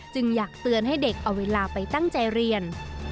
อยากเตือนให้เด็กเอาเวลาไปตั้งใจเรียน